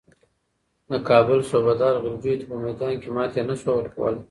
د کابل صوبه دار غلجیو ته په میدان کې ماتې نه شوه ورکولای.